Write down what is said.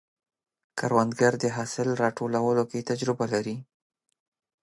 کروندګر د حاصل راټولولو کې تجربه لري